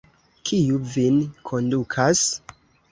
Kiu vin kondukas?